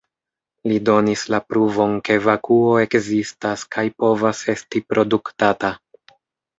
Li donis la pruvon ke vakuo ekzistas kaj povas esti produktata.